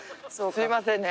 すみませんね。